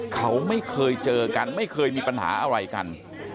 เขาไม่เคยเจอกันไม่เคยมีปัญหาอะไรกัน